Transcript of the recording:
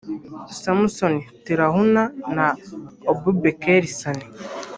Samson Tilahun na Abubeker Sani